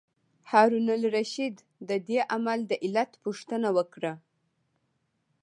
هارون الرشید د دې عمل د علت پوښتنه وکړه.